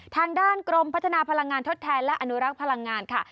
ทางด้านกรมพัฒนาพลังงานทดแทนและอนุรักษ์พลังงานค่ะ